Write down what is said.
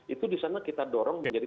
itu di sana kita dorong menjadi